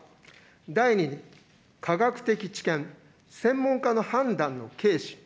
第２に科学的知見、専門家の判断の軽視。